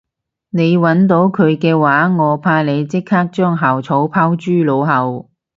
你搵到佢嘅話我怕你即刻將校草拋諸腦後